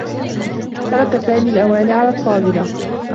ترك سامي الأواني على الطّاولة.